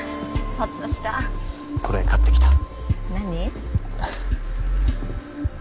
ホッとしたこれ買ってきた何？